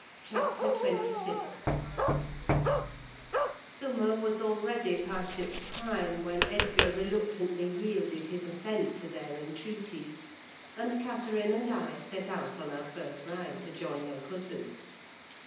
CHAPTER XXVI Summer was already past its prime, when Edgar reluctantly yielded his assent to their entreaties, and Catherine and I set out on our first ride to join her cousin.